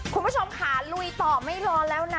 คุณผู้ชมค่ะลุยต่อไม่รอแล้วนะ